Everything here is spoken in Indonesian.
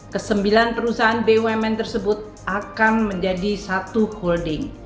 kesembilan perusahaan bumn tersebut akan menjadi satu holding